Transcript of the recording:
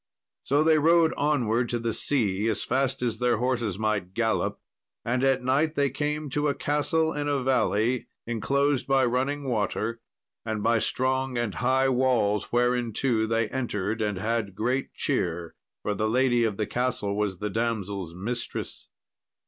So they rode onwards to the sea as fast as their horses might gallop, and at night they came to a castle in a valley, inclosed by running water, and by strong and high walls, whereinto they entered and had great cheer, for the lady of the castle was the damsel's mistress.